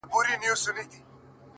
د ژوند ستا په مينه باندې ساز دی _